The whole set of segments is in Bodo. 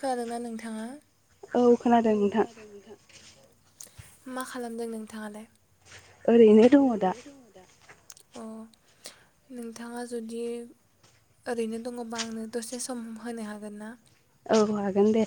खोनादोंना नोंथाङा औ खोनादों नोंथां। मा खालामदों नोंथाङालाय। ओरैनो दङ दा। ओ। नोंथाङा जुदि ओरैनो दङबा आंनो दसे सम होनो हागोन ना। औ हागोन दे।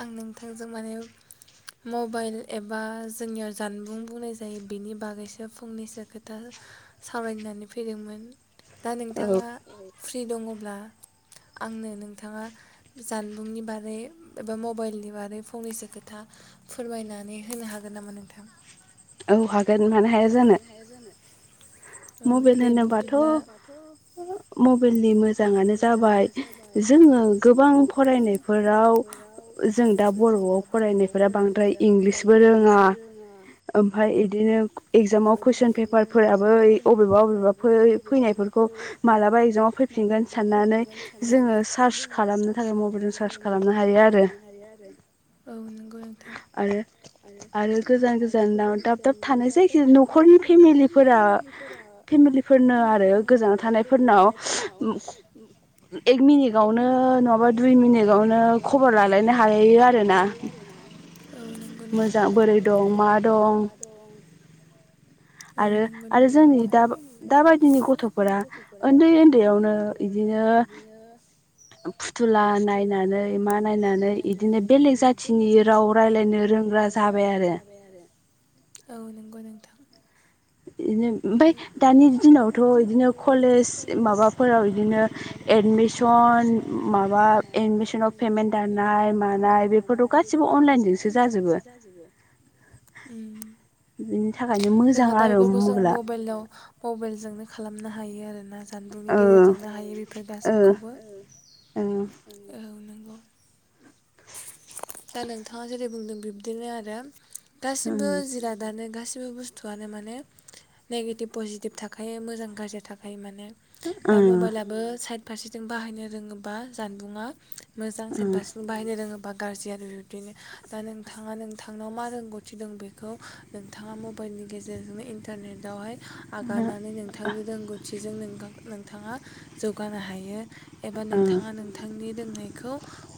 आं नोंथांजों माने। मबाइल एबा जोंनियाव जानबुं बुंनाय जायो बिनि बागैसो फंनैसो खोथा। सावरायनानै फैदोंमोन दा नोंथाङा फ्रि दङब्ला। आंनो नोंथाङा जानबुंनि बारै। एबा मबाइलनि बारै फंनैसो खोथा फोरमायनानै होनो हागोन नामा नोंथां। औ हागोन मानो हाया जानो। औ दे बिदिब्ला माथ'। मबाइलनि मोजाङानो जाबाय जोङो गोबां फरायनायफोराव। [inaudible] जों दा बर'आव फरायनायफोरा बांद्राय इंलिसबो रोङा ओमफ्राय। बिदिनो इगजामाव कुइसन पेपारफोराबो। अबेबा बबेबा फैनायफोरखौ मालाबा इगजामाव फैफिनगोन साननानै जोङो। जोङो चार्च खालामनो थाखाय मबाइलजों चार्च खालामनो हायो आरो। औ नंगौ नोंथां आरो आरो गोजान गोजान। दाब थानाय जायखिज न'खरनि फेमिलिफोरा। फेलिफोरनो आरो गोजानाव थानायफोरनाव। एक मिनिटावनो नङाबा दुइ मिनिटावनो खबर लालायनो हाहायो आरोना। औ नंगौ नोंथां मोजां बोरै दं मा दं। आरो आरो जोंनि दा दाबायदिनि गथ'फोरा उन्दै उन्दैयावनो। ओ बिदिनो। फुथुला नायनानै मा नायनानै इदिनो बेलेग जाथिनि राव रायलायनो रों। फग्रा जाबाय आरो। औ नंगौ नोंथां। बिदिनो ओमफाय दानि दिनावथ' इदिनो कलेज माबाफोराव इदिनो एड। एडमिसन माबा एडमिसनाव पेमेन्ट दाननाय मानाय बेफोरखौ गासिबो अन लाइन। गासिबो अनलाइनजोंसो जाजोबो उ। बिनि थाखायनो मोजां आरो म। जों मबाइलाव मबाइलजोंनो खालामनो हायो आरोना जों। जानबुंनि गेजेरजोंनो हायो बेफोर गाससिबखौबो औ नों औ दा नोंथाङा जेरै बुंदों बिब्दिनो आरो गासिबो जिरादानो गासिबो बुस्थुआनो माने नेगेटिभ पजिटिभ थाखायो मोजां गाज्रि थाखायो माने दा मबाइलाबो साइद फारसेथि बाहायनो रोङोबा जानबुंङा मोजां सानफारसेजों बाहायनो रोङोबा गाज्रि आरो बिबदिनो दा नोंथाङा नोंथांनाव मा रोंगौथि दं बेखौ नोंथाङा मबाइलनि नि गेजेरजोंनो इन्टारनेटावहाय आगारनानै नोंथांनि रोंगौथिजों नों गाव नोंथाङा जौगानो हायो। एबा नोंथाङा नोंथांनि रोंनायखौ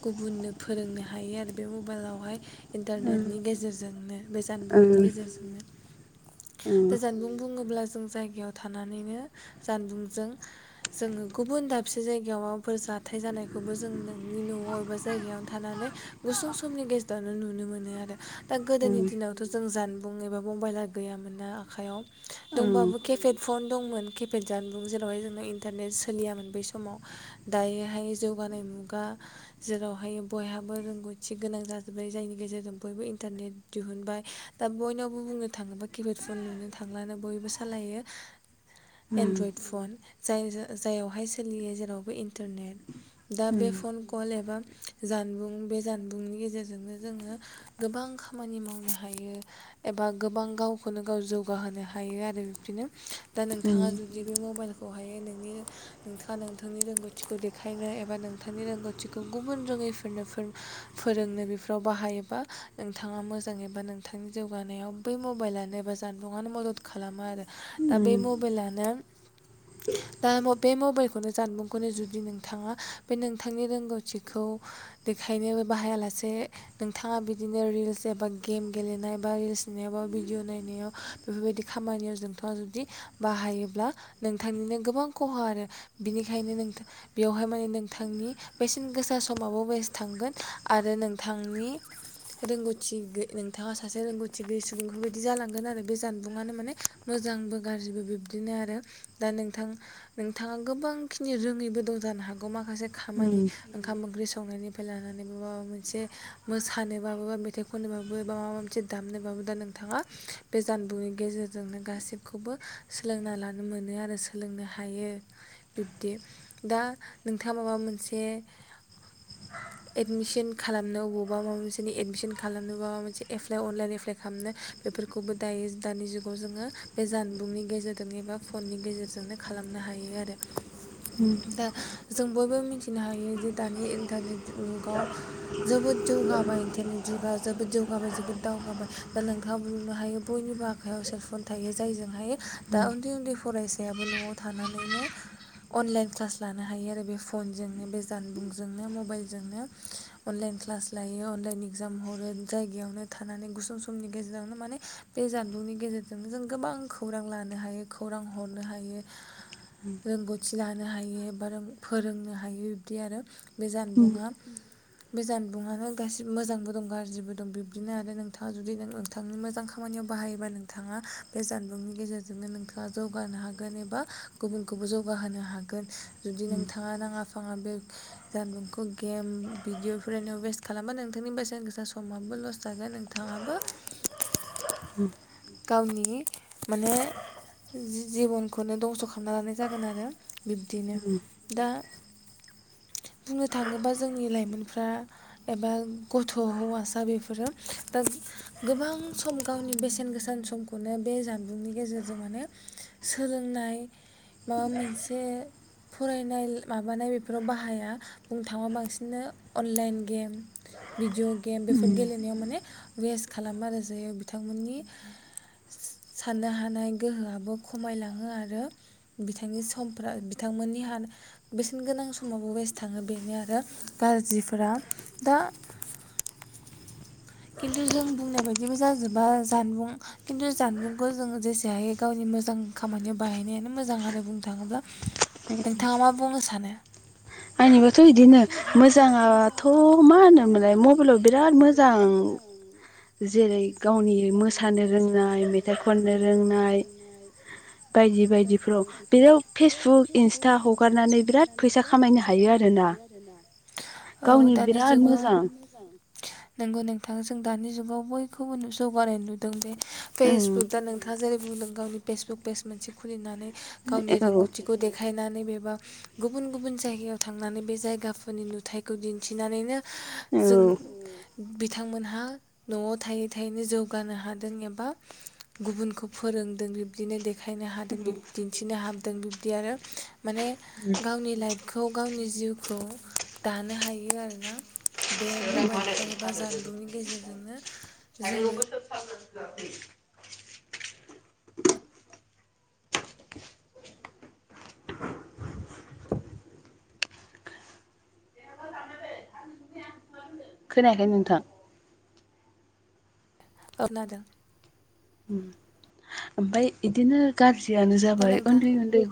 गुबुननो फोरोंनो हायो आरो बे मबाइलावहाय। इन्टारनेटनि गेजेरजोंनो बे जानबुंनि गेजेरजोंनो। जानबुं बुङोब्ला जों जायगायाव थानानैनो जानबुंजों जोंङो गुबुन दाबसे जायगाव माबाफोर जो हाथाय जानायखौबो जों नोंनि न' बबेबा जायगायावनो थानानै गुसुं समनि गेजेरावनो नुनो मोनो आरो दा गोदोनि दिनावथ' जों जानबुं एबा मबाइला गैयामोन ना आखाइयाव दंबाबो केफेट फ'न दंमोन केपेट जानबुं जेरावहाय जोंना इन्टारनेट सोलियामोन बै समाव दायोहाय जौगा नाय मुगा जेरावहाय बयहाबो रोंगौथि गोनां जाजोब्बाय जायनि गेजेरजोंबो इन्टारनेट दिहुनबाय दा बयनावबो बुंनो थाङोबा किफेद फन नुनो थांलानो बयबो सालायो एन्ड्रइड फन। जाय जाययावहाय सोलियो जेरावबो इन्टारनेट दा बे फन कल एबा जानबुं बे जानबुंनि गेजेरजोंनो जोङो गोबां खामानि मावनो हायो। एबा गोबां गाव खौनो गाव जौगाहोनो हायो आरो बिब्दिनो दा नोंथाङा जुदि बे मबाइल खौ हायो नोंनि नोंथाङा नोंथांनि रोंगौथिखौ देखायनो एबा नोंथांनि रोंगौथिखौ गुबुन रो बेफोरनो फोर फोरोंनो बेफोराव बाहायोबा नोंथाङा मोजां एबा नोंथांनि जौगानाय बै मबाइलानो एबा जानबुंआनो मदद खालामो आरो दा बे मबेलानो दा म बे मबेल नो जानबुंखौनो जुदि नोंथाङा बे नोंथांनि रोंगौथिखौ देखायनो बाहायालासे से नोंथाङा बिदिनो रिल्स एबा गेम गेलेनाय बा रिल्स नायाबा भिदिअ नाय नायाव बेफोरबायदि खामानियाव नोंथाङा जुदि बाहायोब्ला नोंथांनिनो गोबां खहा आरो बिनिखायनो नों बेवहाय माने नोंथांनि बेसेन गोसा समाबो वेस थांगोन। आरो नोंथांनि रोंगथि गो नोंथाङा सासे रोंगौथि गैयै सुबुंफोरबायदि जाला गोन आरो बे जानबुङानो माने मोजांबो गाज्रिबो बिब्दिनो आरो दा नोंथां नोंथाङा गोबां खिनि रोंङिबो दं जानो हागौ माखासे खामानि ओंखाम ओंख्रि सं संनायनिफ्राय लानानै माबा मोनसे मोसानोबाबो बा मेथाइ खननोबाबो बा माबा मोनसे दामनोबाबो। दा नोंथाङा बे जानबुंनि गेजेरजोंनो गासैखौबो सोलोंना लानो मोनो आरो सोलोंनो हायो। बिब्दि दा नोंथाङा माबा मोनसे एडमिसन खालामनो अबावबा माबा मोनसे एडमिसन खालामनोबा माबा मोनसे एप्लाइ अनलाइन एप्लाइ खामनो बेफोर खौबो दायो दानि जुगाव जोङो बे जानबुंनि गेजेरजों एबा फननि गेजेरजोंनो खालामनो हायो। आरो दा जों बयबो मिथिनो हायो जे दानि इन्टारनेट मुगाव जोबोद जौगाबाय इन्टारनेट जुगा जोबोद जौगाबाय जोबोद दावगाबाय दा नोंथाङा बुंनो हायो बयनिबो आखायाव सेलफन थायो जायजोंहाय दा उन्दै उन्दै फरायसा याबो न'आव थानानैनो अनलाइन क्लास लानो हायो आरो बे फनजोंनो बे जानबुंजोंनो। मबाइलजोंनो अनलाइन क्लास लायो अनलाइन इकजाम हरो जायगायावनो थानानै गुसुं समनि गेजेरावनो माने बे जानबुंनि गेजेरजोंनो जों गोबां खौरां लानो हायो खौरां हरनो हायो। रोंगौथि लानो हायो एबा फोरोंनो हायो बिब्दि आरो बे जानबुंङा बे जानबुंङानो गासिबो मोजांबो दं गाज्रिबो दं बिब्दिनो आरो नोंथाङा जुदि नों नोंथांनि मोजां खामानियाव बाहायोबा नोंथाङा बे जानबुंनि गेजेरजोंनो नोंथाङा जौगानो हागोन एबा गुबुनखौबो जौगाहोनो हागोन। जुदि नोंथाङा नाङा फाङा बे जानबुंखौ गेम भिडिअ बेफोरबादियाव वेस्ट खालामा नोंथांनि बेसेन गोसा समाबो लस जागोन नोंथाङाबो गावनि माने जिबनखौनो धंस' खालामना लानाय जागोन आरो। बिब्दिनो दा बुंनो थाङोबा जोंनि लाइमोनफ्रा एबा गथ' हौवासा बेफोरो दा गोबां सम गावनि बेसेन गोसा समखौनो बे जानबुंनि गेजेरजों माने सोलोंनाय माबा मोनसे फरायनाय माबानाय बेफोराव बाहाया। बुंनो थांबा बांसिननो अनलाइन गेम भिडिअ गेम बेफोर गेलेनायाव माने वेस्ट खालामो आरो जाय बिथांमोननि साननो हानाय गोहोआबो खमायलाङो आरो बिथांनि समफोरा बिथां मोननि हा बेसेन गोनां समावबो वेस्ट थाङो बेनो आरो गाज्रिफोरा। दा खिन्थु जों बुंनाय बाय दि मोजां जोबा जानबुं खिन्थु जानबुंखौ जों जेसे हायो गावनि मोजां खामानियाव बाहायनाय नो मोजांआनो बुंनो थाङोब्ला। नोंथाङा मा बुंनो सानो? आंनिबाथ' इदिनो मोजाङाथ' मा होनोमोनलाय मबाइलाव बिराद मोजां [unintelligible] जेरै गावनि मोसानो रोंनाय, मेथाइ खननो रोंनाय, बायदि बायदिफ्राव बिराद फेसबुक इन्सटा हगारनानै बिराद फैसा औ खामाय दानि जुगाव नोंगौ नो नोंथां जों दानि जुगाव बयखौबो जौगानाय नुदों बे फेसबुक दा नोंथाङा जेरै बुंदों गावनि फेसबुक पेज मोनसे खुलिनानै गावनि रोंगौथिखौ दे‌ खायनानै बेबा गुबुन गुबुन जायगायाव थांनानै बे जायगाफोरनि नुथायखौ दिन्थिनानैनो जों बि थांमोनहा न'आव थायै थायैनो जौगानो हादों एबा गुबुनखौ फोरोंदों बिब्दिनो देखायनो हादों दिन्थिनो हाबोदों बिब्दि आरो माने गावनि लाइफ खौ गावनि जिउखौ दानो हायो आरोना बे मबाइलफोर एबा जान बुंनि गेजेरजोंनो जोङो खोनायाखै नोंथां? [unintelligible] ओमफाय इदिनो गाज्रियानो जाबाय उन्दै उन्दै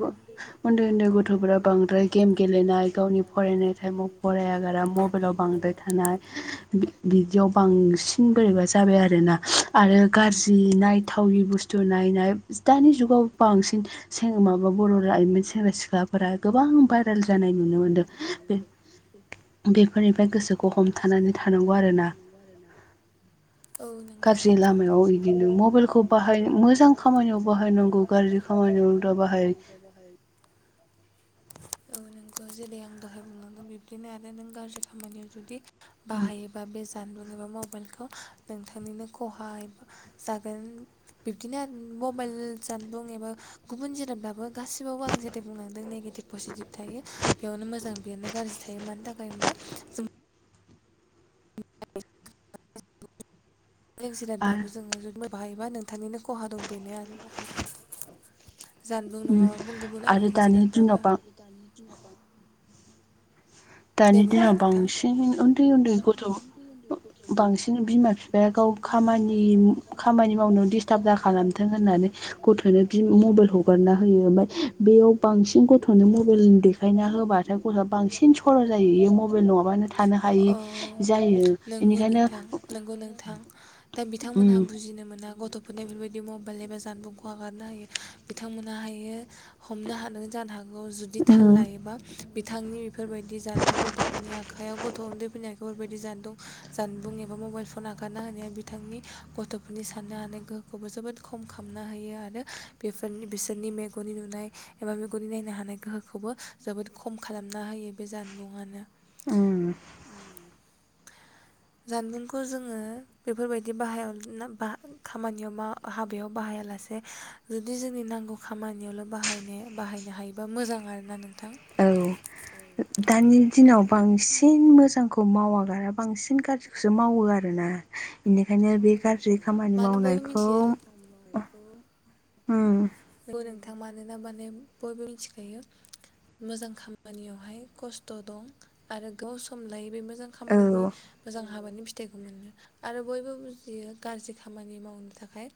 उन्दै उन्दै गथ'फोरा बांद्राय गेम गेलेनाय गावनि फरायनाय थाइमाव फरायागारा मबाइलाव बांद्राय थानाय बिदियाव बांसिन बोरैबा जाबाय आरोना आरो गाज्रि नायथावै बुस्थु नायनाय दानि जुगाव बांसिन सें माबा बर' लाइमोन सेंग्रा सिख्लाफोरा गोबां बार [unintelligible] जानाय नुनो मोनदों बे बेफोरनिफ्राय गोसोखौ हमथानानै थानांगौ आरोना। औ नंगौ नोंथां गाज्रि लामायाव बिदिनो मबाइल बाहाय मोजां खामानियाव बाहायनांगौ गाज्रि खामानियाव दा बाहाय औ नोंखौ जेरै आं दहाय बुंलांदों बिब्दिनो आरो नों गाज्रि खामानियाव जुदि बाहायोबा बे जानबुं एबा मबाइल खौ नोंथांनिनो खहा जागोन। बिब्दिनो आरो मबाइल जानबुं एबा गुबुन जिराबब्लाबो गासिबावबो आं जेथे बुंलांदों नेगेटिभ पजिटिभ थायो बेयावनो मोजां बेयावनो गाज्रि थायो मानि थाखाय होनबा जों [unintelligible] जोङो बाहायबा नोंथांनिनो खहा दं बेनो आरो। जानबुं नङाब गुबुन आलो जानबाबो दे दानि दिनाव बांसिन उन्दै उन्दै गथ' बांसिन बिमा बिफाया गाव खामानि खामानि मावनायाव दिडिस्टार्ब जा खालामथों। होननानै गथ'नो मबाइल हगारना होयो ओमफ्राय बेयाव बांसिन गथ'नो मबाइल बेखायना होबाथाय गथआ बांसिन स ओ नंगौ नोंथां नंगौ नोंथां। दा बिथांमोनहा बुजिनो मोनो। गथ'फोरनि बेफोरबायदि मबाइल एबा जानबुंखौ हगारनो हायो बिथांमोन हायो हमनो ह जानो हागोन। जुदि थाल लायोबा बिथांनि बेफोरबायदि जानबुं गथ'फोरनि आख गथ' उन्दैफोरनि आखफोरबायदि जानबुं जानबुं एबा मबाइल फन आंखारना हो बिथांनि गथ'फोरनि साननो हानाय गोहोखौबो जोबोद खम खालामना होयो आरो बेफोरनि बिसोर नि मेगननि नुनाय एबा मेगननि नायनो हानाय गोहोखौबो जोबोद खम खालामना होयो। बे जानबुंङनो। उम [inaudible] जानबुंखौ जोङो बेफोरबायदि बाहायाव खामानियाव हाबायाव बाहाय लासे जुदि जोंनि नांगौ खामानियावल' बा बाहायनो हायोबा मोजां आरोना नों औ दानि दिनाव बांसिन मोजांखौ मावागारा बांसिन गाज्रिखौसो मावो आरोना। मानो बयबो मिथियो। औ नथां मानोना माने बयबो मिथिखायो। मोजां खामानियावहाय खस्थ' दं आरो गाव सम लायै बे मोजां खामानिनि मोजां हाबानि फिथाइखौ मोनो आरो बयबो बुजियो गाज्रि खामानि मावनो थाखाय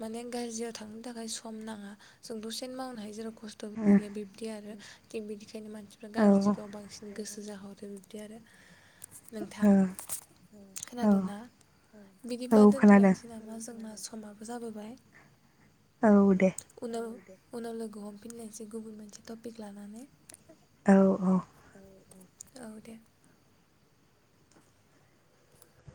माने गाज्रियाव थांनो थाखाय सम नाङा। जों दसेनो मावनो हायो। खस्थ'बो गैया बिब्दि आरो थिग बिनिखायनो मानसिफ्रा गाज्रिखौ बांसिन गोसो फुजा हरदो बिब्दि आरो नोंथां खोनादोंना? बिदिब्ला दोनथ'लायनोसै नामा जोंना समाबो जाबोबाय। उनाव उनाव लोगो हमफिनलायसै गुबुन मोनसे टपिक लानानै। औ औ औ दे।